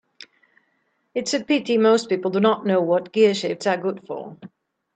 It's a pity most people do not know what gearshifts are good for.